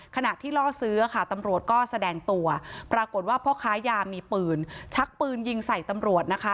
ขณะที่ล่อซื้อค่ะตำรวจก็แสดงตัวปรากฏว่าพ่อค้ายามีปืนชักปืนยิงใส่ตำรวจนะคะ